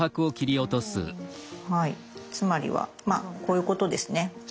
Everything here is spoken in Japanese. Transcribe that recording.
はいつまりはまあこういうことですね。